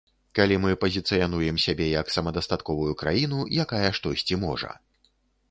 Калі мы пазіцыянуем сябе як самадастатковую краіну, якая штосьці можа.